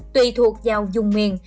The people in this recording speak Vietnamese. tùy thuộc vào dùng miền